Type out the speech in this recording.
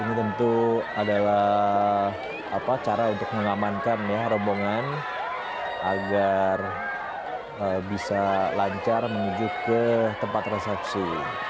ini tentu adalah cara untuk mengamankan rombongan agar bisa lancar menuju ke tempat resepsi